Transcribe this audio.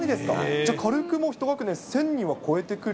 じゃあ軽くもう１学年１０００人は超えてくる。